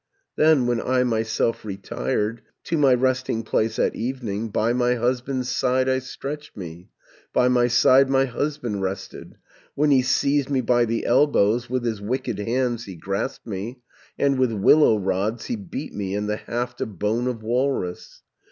"Then when I myself retired, To my resting place at evening, By my husband's side I stretched me, By my side my husband rested, When he seized me by the elbows, With his wicked hands he grasped me, And with willow rods he beat me, And the haft of bone of walrus.